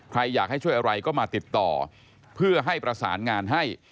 ใครอยากให้ช่วยอะไรก็มาติดต่อเพื่อให้ประสานงานให้